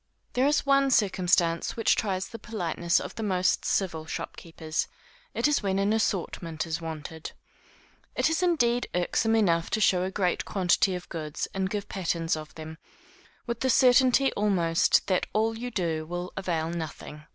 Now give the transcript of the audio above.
There is one circumstance which tries the politeness of the most civil shopkeepers; it is when an assortment is wanted. It is indeed irksome enough to show a great quantity of goods, and give patterns of them, with the certainty almost that all you do will avail nothing.